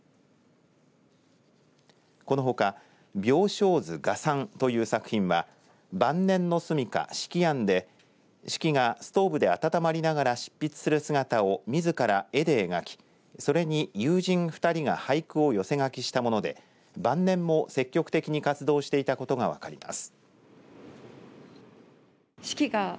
このほか病床図画賛という作品は晩年の住みか、子規庵で子規がストーブで温まりながら執筆する姿をみずから絵で描きそれに友人２人が俳句を寄せ書きしたもので晩年も積極的に活動していたことが分かります。